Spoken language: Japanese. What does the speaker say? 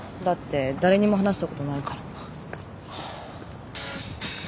だって誰にも話したことないから。